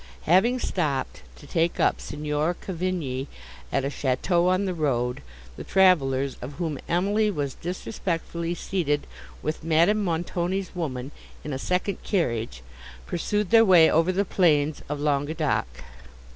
Having stopped to take up Signor Cavigni at a château on the road, the travellers, of whom Emily was disrespectfully seated with Madame Montoni's woman in a second carriage, pursued their way over the plains of Languedoc.